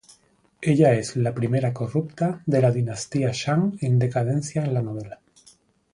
Ella es la primera corrupta de la dinastía Shang en decadencia en la novela.